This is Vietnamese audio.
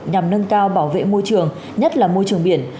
nhằm nâng cao bảo vệ môi trường nhất là môi trường biển